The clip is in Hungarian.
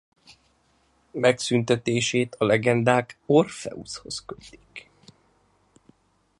Megszüntetését a legendák Orpheuszhoz kötik.